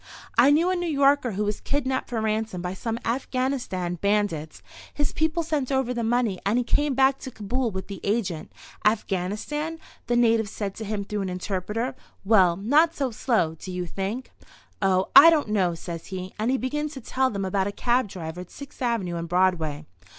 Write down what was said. I knew a New Yorker who was kidnapped for ransom by some Afghanistan bandits. His people sent over the money and he came back to Kabul with the agent. 'Afghanistan?' the natives said to him through an interpreter. 'Well, not so slow, do you think?' 'Oh, I don't know,' says he, and he begins to tell them about a cab driver at Sixth avenue and Broadway.